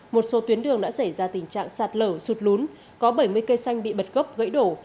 một số tuyến đường đã xảy ra tình trạng sạt lở sụt lún có bảy mươi cây xanh bị bật gốc gãy đổ